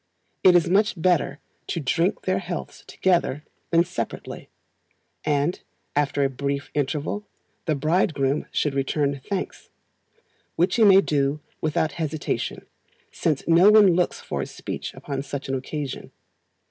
It is much better to drink their healths together than separately; and, after a brief interval, the bridegroom should return thanks, which he may do without hesitation, since no one looks for a speech upon such an occasion.